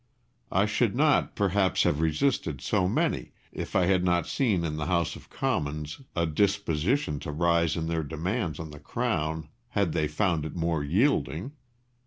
I should not, perhaps, have resisted so many if I had not seen in the House of Commons a disposition to rise in their demands on the Crown had they found it more yielding.